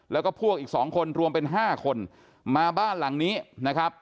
แล้วก็พวกอีกสองคนรวมเป็นห้าคนมาบ้านหลังนี้นะครับ